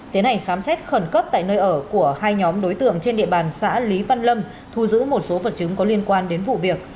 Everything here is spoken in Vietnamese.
tiến hành khám xét khẩn cấp tại nơi ở của hai nhóm đối tượng trên địa bàn xã lý văn lâm thu giữ một số vật chứng có liên quan đến vụ việc